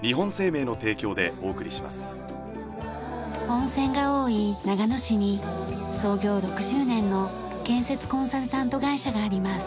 温泉が多い長野市に創業６０年の建設コンサルタント会社があります。